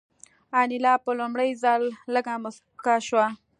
انیلا په لومړي ځل لږه موسکه شوه